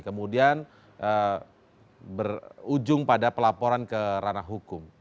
kemudian berujung pada pelaporan ke ranah hukum